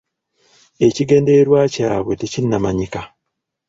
Ekigendererwa kyabwe tekinnamanyika.